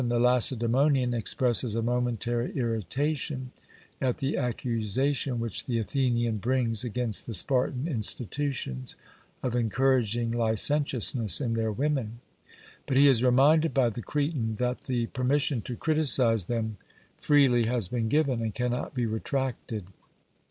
the Lacedaemonian expresses a momentary irritation at the accusation which the Athenian brings against the Spartan institutions, of encouraging licentiousness in their women, but he is reminded by the Cretan that the permission to criticize them freely has been given, and cannot be retracted.